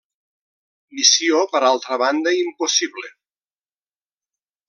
Missió per altra banda impossible.